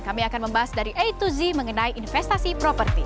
kami akan membahas dari a to z mengenai investasi properti